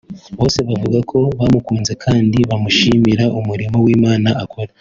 bose bavuga ko bamukunze kandi bamushimira umurimo w’ Imana akora